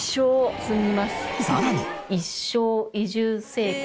さらに。